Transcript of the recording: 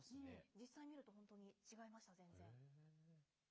実際見ると、本当に違いました、全然。